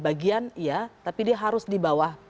bagian iya tapi dia harus di bawah